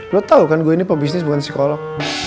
lo tau kan gue ini pop bisnis bukan psikolog